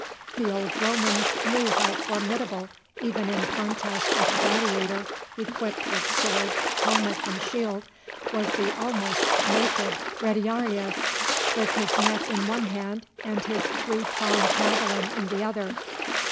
The old Romans knew how formidable, even in contest with a gladiator equipped with sword, helmet, and shield, was the almost naked retiarius, with his net in one hand and his three pronged javelin in the other.